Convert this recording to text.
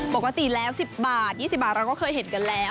ปกติแล้ว๑๐บาท๒๐บาทเราก็เคยเห็นกันแล้ว